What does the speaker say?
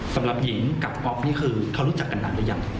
สำหรับหญิงกับป๊อปนี่คือเขารู้จักกันนานหรือยัง